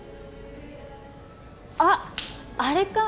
あっあれか！